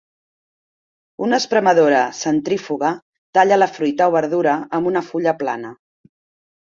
Una espremedora centrífuga talla la fruita o verdura amb una fulla plana.